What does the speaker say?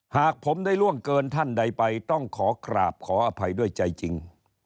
หากผมได้ล่วงเกินท่านใดไปต้องขอกราบขออภัยด้วยใจจริง